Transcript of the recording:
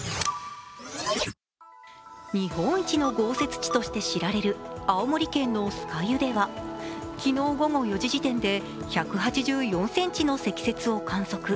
日本一の豪雪地として知られる青森県の酸ヶ湯では昨日午後４時時点で１８４ｃｍの積雪を観測。